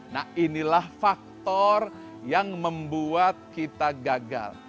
nah inilah faktor yang membuat kita gagal